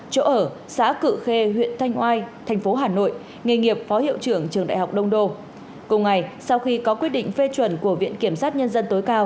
chỗ ở xã cự khê huyện thanh oai thành phố hà nội nghề nghiệp phó hiệu trưởng trường đại học đông đô